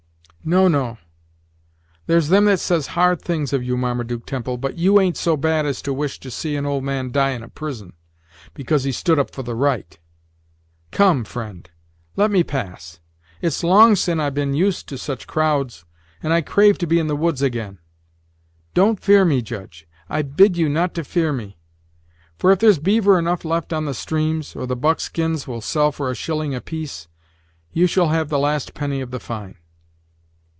No, no there's them that says hard things of you, Marmaduke Temple, but you ain't so bad as to wish to see an old man die in a prison, because he stood up for the right. Come, friend, let me pass; it's long sin' I've been used to such crowds, and I crave to be in the woods agin. Don't fear me, Judge I bid you not to fear me; for if there's beaver enough left on the streams, or the buckskins will sell for a shilling apiece, you shall have the last penny of the fine.